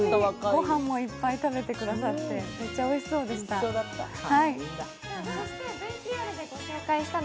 ご飯もいっぱい食べてくださって、めちゃおいしそうでした。